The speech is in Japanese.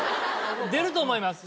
出ると思います。